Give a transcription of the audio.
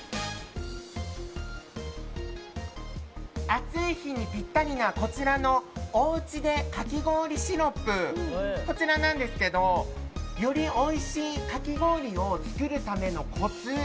暑い日にぴったりなこちらのおうちでかき氷シロップ。よりおいしいかき氷を作るためのコツを